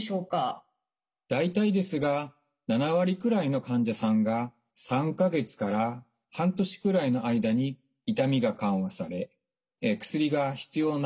大体ですが７割くらいの患者さんが３か月から半年くらいの間に痛みが緩和され薬が必要なくなる状態になります。